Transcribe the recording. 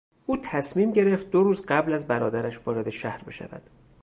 او تصمیم گرفت دو روز قبل از برادرش وارد شهر بشود.